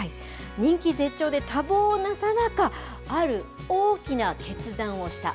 人気絶頂で多忙なさなか、ある大きな決断をした。